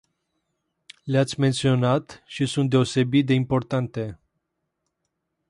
Le-ați menționat și sunt deosebit de importante.